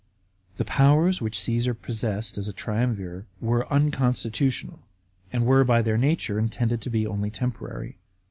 § 5. The powers which Caasar possessed as a triumvir were uncon stitutional, and were, by their nature, intended to be only temporary.